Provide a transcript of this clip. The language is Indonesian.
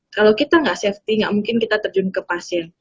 kalau kita nggak safety nggak mungkin kita terjun ke pasien